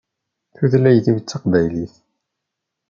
Tutlayt-iw d Taqbaylit.